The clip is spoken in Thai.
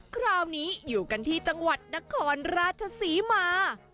คราวนี้อยู่กันที่จังหวัดนครราชศรีมา